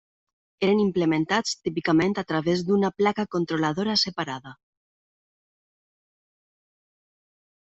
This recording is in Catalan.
Eren implementats típicament a través d'una placa controladora separada.